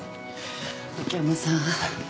秋山さん。